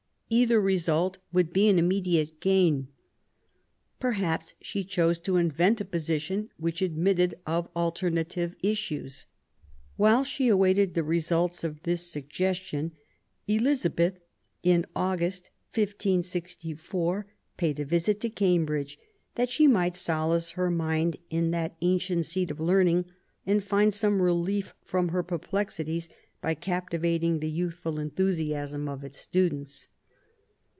Either result would be an immediate gain. Perhaps she chose to invent a position which admitted of alter native issues. While she awaited the results of this suggestion, Elizabeth, in August, 1564, paid a visit to Cambridge, that she might solace her mind in that ancient seat of learning, and find some relief from her perplexities by captivating the youthful enthusiasm of its students.